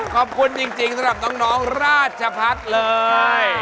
ขอบคุณจริงสำหรับน้องราชพัฒน์เลย